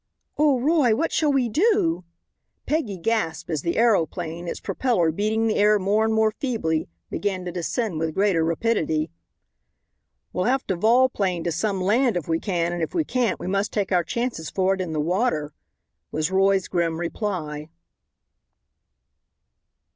"Oh, Roy, what shall we do?" Peggy gasped as the aeroplane, its propeller beating the air more and more feebly, began to descend with greater rapidity. "We'll have to volplane to some land if we can, and if we can't we must take our chances for it in the water," was Roy's grim reply.